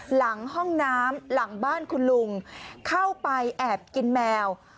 หลังห้องน้ำหลังบ้านคุณลุงเข้าไปแอบกินแมว